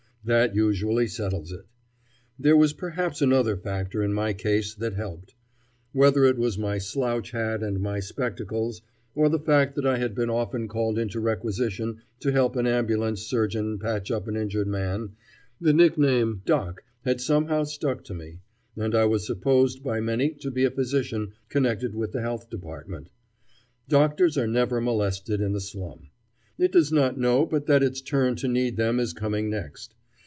That usually settles it. There was perhaps another factor in my case that helped. Whether it was my slouch hat and my spectacles, or the fact that I had been often called into requisition to help an ambulance surgeon patch up an injured man, the nickname "Doc" had somehow stuck to me, and I was supposed by many to be a physician connected with the Health Department. Doctors are never molested in the slum. It does not know but that its turn to need them is coming next.